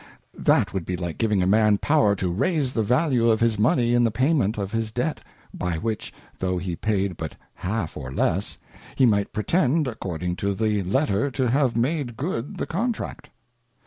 That would be like givdng a Man power to raise the value of his Money in the payment of his Debt, by which, tho he paid but half or less, he might pretend according to the letter to have made good the Contract.